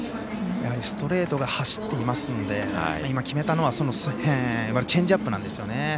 やはりストレートが走っていますので今、決めたのはチェンジアップなんですよね。